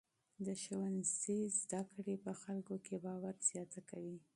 د ښوونځي زده کړې په خلکو کې باور زیاتوي.